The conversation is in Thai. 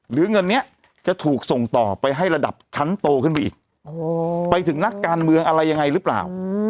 เงินนี้จะถูกส่งต่อไปให้ระดับชั้นโตขึ้นไปอีกไปถึงนักการเมืองอะไรยังไงหรือเปล่า